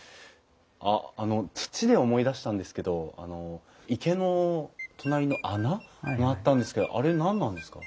あっあの土で思い出したんですけどあの池の隣の穴があったんですけどあれ何なんですか？